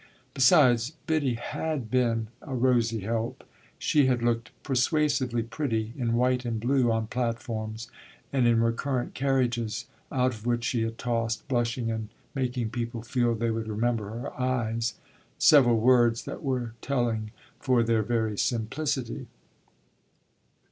Besides, Biddy had been a rosy help: she had looked persuasively pretty, in white and blue, on platforms and in recurrent carriages, out of which she had tossed, blushing and making people feel they would remember her eyes, several words that were telling for their very simplicity.